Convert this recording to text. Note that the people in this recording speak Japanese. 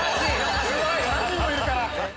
すごい！３人もいるから。